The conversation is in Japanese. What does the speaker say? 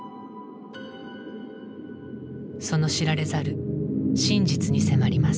その知られざる真実に迫ります。